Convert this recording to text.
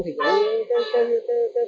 thì tình trạng vi phạm này cũng giảm